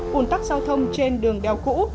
phùn tắc giao thông trên đường đèo cũ